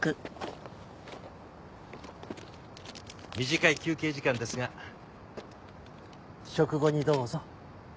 短い休憩時間ですが食後にどうぞ。